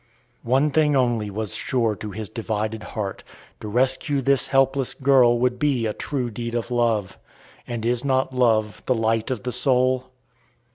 One thing only was sure to his divided heart to rescue this helpless girl would be a true deed of love. And is not love the light of the soul?